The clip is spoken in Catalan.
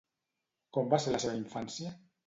Com va ser la seva infància?